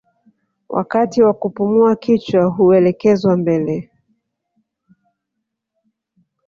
Wakati wa kupumua kichwa huelekezwa mbele